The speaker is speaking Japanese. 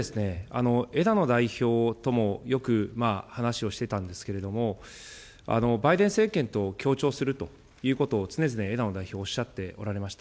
そしてですね、枝野代表ともよく話をしてたんですけれども、バイデン政権と協調するということを常々、枝野代表おっしゃっておられました。